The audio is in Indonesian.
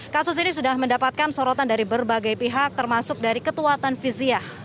kasus ini sudah mendapatkan sorotan dari berbagai pihak termasuk dari ketua tanfiziah